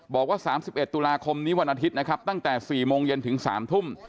บอกว่าสามสิบเอ็ดตุลาคมนี้วันอาทิตย์นะครับตั้งแต่สี่โมงเย็นถึงสามทุ่ม